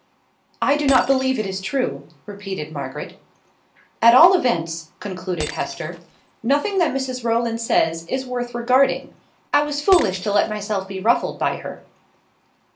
"I do not believe it is true," repeated Margaret. "At all events," concluded Hester, "nothing that Mrs Rowland says is worth regarding. I was foolish to let myself be ruffled by her."